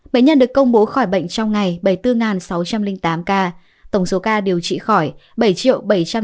bệnh nhân được công bố khỏi bệnh trong ngày bảy mươi bốn sáu trăm linh tám ca tổng số ca điều trị khỏi bảy bảy trăm tám mươi bảy chín trăm sáu mươi hai ca